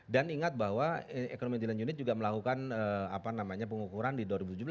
dan ingat bahwa ekonomi intelijen unit juga melakukan pengukuran di dua ribu tujuh belas